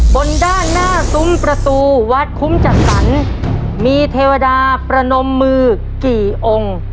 บนด้านหน้าซุ้มประตูวัดคุ้มจัดสรรมีเทวดาประนมมือกี่องค์